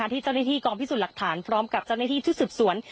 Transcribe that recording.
ที่เจ้าหน้าที่กองพิสูจน์หลักฐานพร้อมกับเจ้าหน้าที่ชุดสืบสวน